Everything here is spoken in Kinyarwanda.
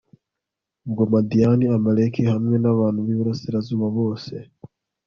ubwo madiyani, amaleki hamwe n'abantu b'iburasirazuba bose